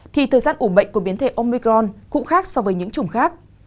thì thời gian ủ bệnh của biến thể omicron cũng khác so với những chủng khác